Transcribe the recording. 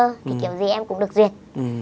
thì kiểu gì em cũng được duyệt